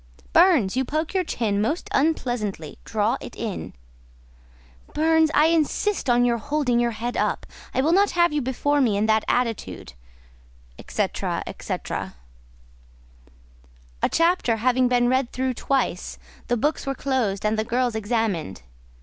"Burns, you poke your chin most unpleasantly; draw it in." "Burns, I insist on your holding your head up; I will not have you before me in that attitude," &c. &c. A chapter having been read through twice, the books were closed and the girls examined.